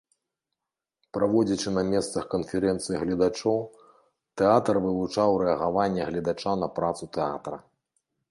Праводзячы на месцах канферэнцыі гледачоў, тэатр вывучаў рэагаванне гледача на працу тэатра.